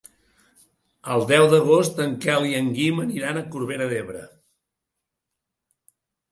El deu d'agost en Quel i en Guim aniran a Corbera d'Ebre.